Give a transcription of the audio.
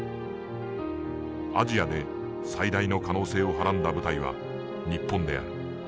アジアで最大の可能性をはらんだ舞台は日本である。